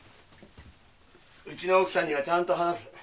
うちの奥さんにはちゃんと話す。